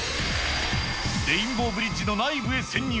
レインボーブリッジの内部へ潜入。